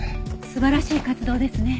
素晴らしい活動ですね。